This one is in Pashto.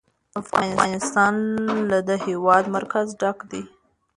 افغانستان له د هېواد مرکز ډک دی.